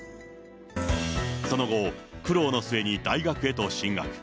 その後、苦労の末に大学へと進学。